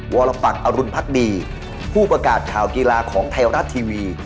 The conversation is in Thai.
วรปักอรุณพักดีผู้ประกาศข่าวกีฬาของไทยรัฐทีวี